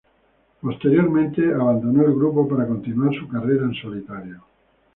Posteriormente abandonó el grupo para continuar su carrera en solitario.